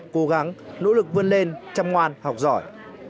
cố gắng nỗ lực vươn lên chăm ngoan học giỏi